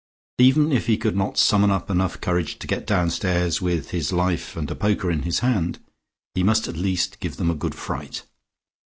Even if he could not summon up enough courage to get downstairs with his life and a poker in his hand, he must at least give them a good fright.